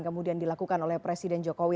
kemudian dilakukan oleh presiden jokowi